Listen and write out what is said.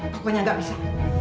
koknya gak bisa